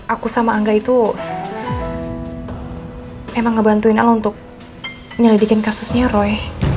aku sama anggah itu emang ngebantuin alo untuk menyelidikin kasusnya roy